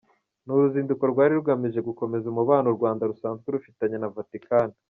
Ni uruzinduko rwari rugamije gukomeza umubano u Rwanda rusanzwe rufitanye na Vatican.